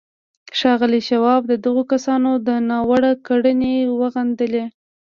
ښاغلي شواب د دغو کسانو دا ناوړه کړنې وغندلې.